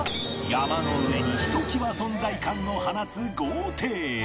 山の上にひときわ存在感を放つ豪邸